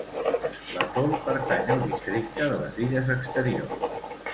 L'atol pertany al districte de les Illes Exteriors.